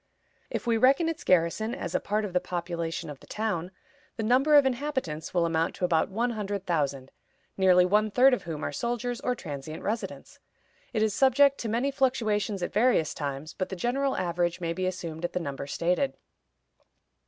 If we reckon its garrison as a part of the population of the town, the number of inhabitants will amount to about one hundred thousand, nearly one third of whom are soldiers or transient residents. It is subject to many fluctuations at various times, but the general average may be assumed at the number stated.